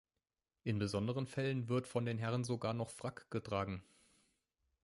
In besonderen Fällen wird von den Herren sogar noch Frack getragen.